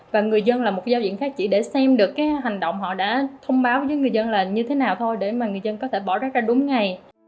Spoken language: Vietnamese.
và người dân là một giao diện khác chỉ để xem được cái hành động họ đã thông báo với người dân là như thế nào thôi để mà người dân có thể bỏ rác ra đúng ngày